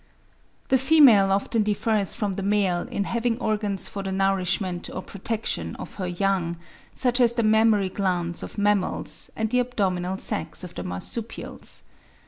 The female often differs from the male in having organs for the nourishment or protection of her young, such as the mammary glands of mammals, and the abdominal sacks of the marsupials.